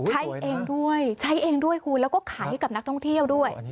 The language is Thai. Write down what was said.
ใช้เองด้วยใช้เองด้วยคุณแล้วก็ขายให้กับนักท่องเที่ยวด้วย